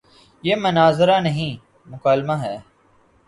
یہ مناظرہ نہیں، مکالمہ ہے۔